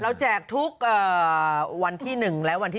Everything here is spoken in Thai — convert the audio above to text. แจกทุกวันที่๑และวันที่๑